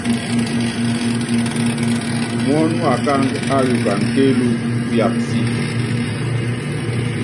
Muɔ́nɔ wákáandú áyukana kéelúku, uyaapa si.